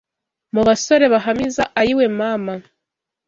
mubasore bahamiza ayiwe mama